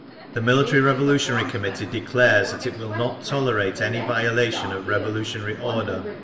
The Military Revolutionary Committee declares that it will not tolerate any violation of revolutionary order….